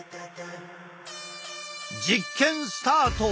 実験スタート。